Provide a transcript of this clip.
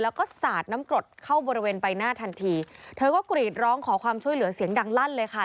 แล้วก็สาดน้ำกรดเข้าบริเวณใบหน้าทันทีเธอก็กรีดร้องขอความช่วยเหลือเสียงดังลั่นเลยค่ะ